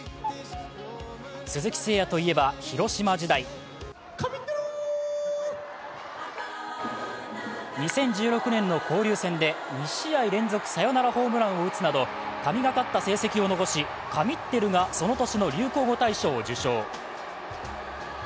鈴木誠也といえば、広島時代２０１６年の交流戦で２試合連続サヨナラホームランを打つなど神がかった成績を残し、「神ってる」がその年の流行語大賞を受賞。